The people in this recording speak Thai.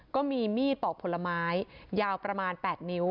ก็มีมีดปอกผลไม้ยาวประมาณ๘นิ้ว